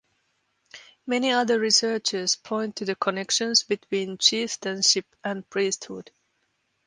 Many other researchers point to the connections between chieftainship and priesthood.